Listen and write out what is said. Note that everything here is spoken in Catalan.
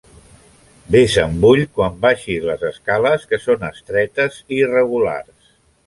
Vés amb ull quan baixis les escales que són estretes i irregulars.